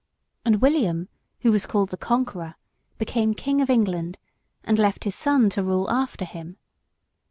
And William, who was called the Conqueror, became King of England, and left his son to rule after him.